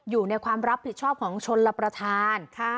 อยู่ในความรับผิดชอบของชนรับประทาน